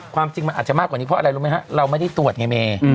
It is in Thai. ความจริงมันอาจจะมากกว่านี้เพราะอะไรรู้ไหมฮะเราไม่ได้ตรวจไงเม